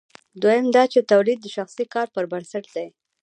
دویم دا چې تولید د شخصي کار پر بنسټ دی.